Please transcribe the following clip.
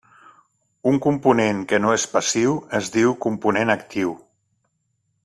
Un component que no és passiu es diu component actiu.